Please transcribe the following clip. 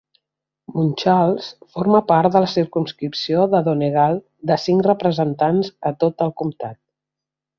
Mountcharles forma part de la circumscripció de Donegal de cinc representants a tot el comtat.